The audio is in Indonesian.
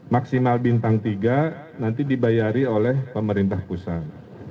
maksimal bintang tiga nanti dibayari oleh pemerintah pusat